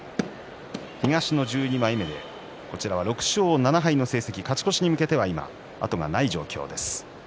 東の１２枚目でこちらは６勝７敗の成績勝ち越しに向けて後がない状況です。